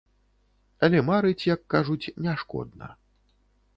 Але марыць, як кажуць, не шкодна.